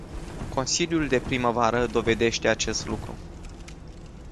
Consiliul de primăvară dovedește acest lucru.